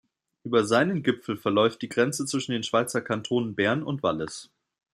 Über seinen Gipfel verläuft die Grenze zwischen den Schweizer Kantonen Bern und Wallis.